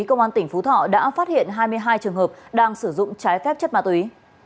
công an tỉnh phú thọ đã phát hiện hai mươi hai trường hợp đang sử dụng trái phép chất ma túy